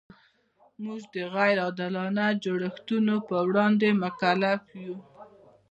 موږ د غیر عادلانه جوړښتونو پر وړاندې مکلف یو.